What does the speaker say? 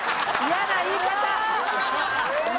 嫌な言い方！